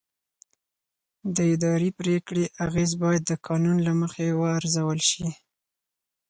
د اداري پرېکړې اغېز باید د قانون له مخې وارزول شي.